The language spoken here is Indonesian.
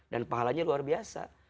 dan pahalanya luar biasa